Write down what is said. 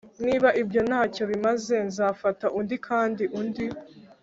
niba ibyo ntacyo bimaze nzafata undi, kandi undi